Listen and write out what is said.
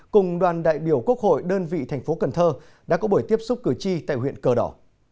cùng đoàn đại biểu quốc hội đơn vị thành phố cần thơ đã có buổi tiếp xúc cử tri tại huyện cờ đỏ